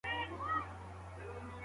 د ماشوم خبرې د هغه د فکر هنداره ده.